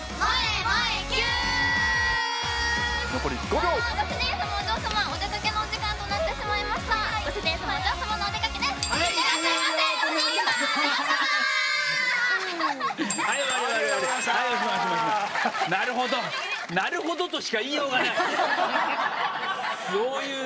はい。